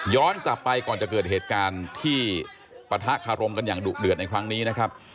กลับไปก่อนจะเกิดเหตุการณ์ที่ปะทะคารมกันอย่างดุเดือดในครั้งนี้นะครับ